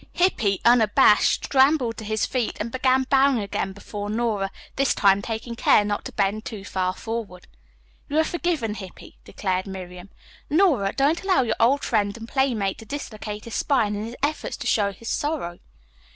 Hippy, unabashed, scrambled to his feet and began bowing again before Nora, this time taking care not to bend too far forward. "You are forgiven, Hippy," declared Miriam. "Nora, don't allow your old friend and playmate to dislocate his spine in his efforts to show his sorrow."